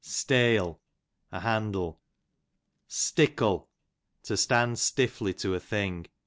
Steyl, a handle. Stickle, to stand stiffly to a thing.